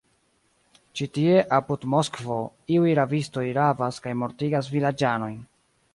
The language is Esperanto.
Ĉi tie, apud Moskvo, iuj rabistoj rabas kaj mortigas vilaĝanojn!